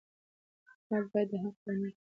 حکومت باید دا حق تامین کړي.